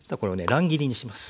乱切りにします。